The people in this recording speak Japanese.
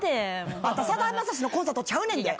あんたさだまさしのコンサートちゃうねんで？